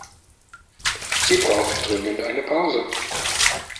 Sie braucht dringend eine Pause.